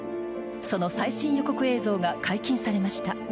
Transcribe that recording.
その最新予告映像が解禁されました。